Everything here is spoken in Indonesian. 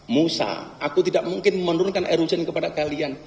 musa aku tidak mungkin menurunkan air hujan kepada kalian